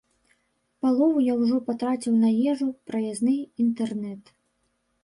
Палову я ўжо патраціў на ежу, праязны, інтэрнэт.